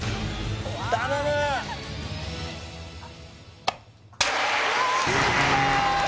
頼む失敗！